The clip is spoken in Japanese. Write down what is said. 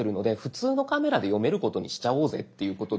普通のカメラで読めることにしちゃおうぜっていうことで。